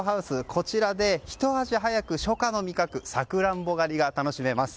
こちらで、ひと足早く初夏の味覚サクランボ狩りが楽しめます。